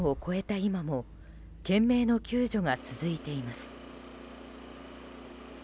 今も懸命の救助が続いています。